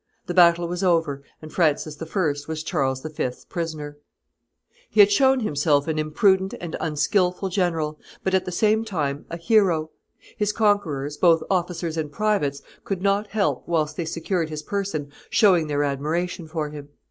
The battle was over, and Francis I. was Charles V.'s prisoner. [Illustration: Capture of Francis I. 91] He had shown himself an imprudent and unskilful general, but at the same time a hero. His conquerors, both officers and privates, could not help, whilst they secured his person, showing their admiration for him.